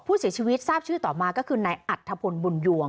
ผู้เสียชีวิตทราบชื่อต่อมาก็คือนายอัธพลบุญยวง